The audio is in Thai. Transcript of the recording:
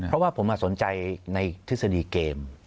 เพราะว่าผมสนใจในทฤษฎีเกม